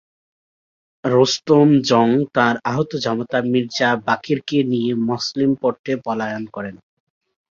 রুস্তম জং তাঁর আহত জামাতা মির্জা বাকেরকে নিয়ে মসলিপট্টমে পলায়ন করেন।